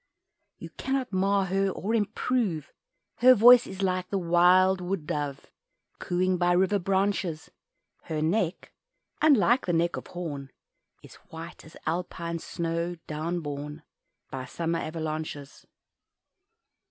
You cannot mar her or improve Her voice is like the wild wood dove Cooing by river branches, Her neck (unlike the neck of Horn) Is white as Alpine snow down borne By summer avalanches.